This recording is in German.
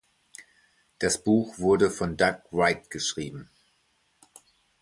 Das Buch wurde von Doug Wright geschrieben.